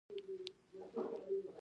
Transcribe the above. غول د وینې د کموالي نښه وي.